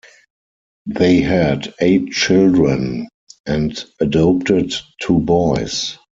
They had eight children and adopted two boys.